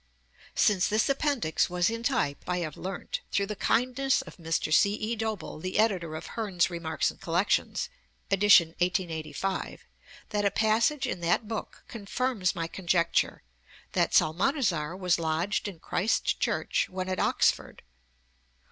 Since this Appendix was in type I have learnt, through the kindness of Mr. C.E. Doble, the editor of Hearne's Remarks and Collections, ed. 1885, that a passage in that book (i. 271), confirms my conjecture that Psalmanazar was lodged in Christ Church when at Oxford.